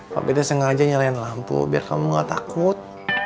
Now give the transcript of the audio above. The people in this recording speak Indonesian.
pak peter sengaja nyalain lampu biar kamu gak takut